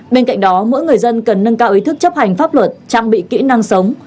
bên cạnh đó mỗi người dân cần nâng cao ý thức chấp hành pháp luật trang bị kỹ năng sống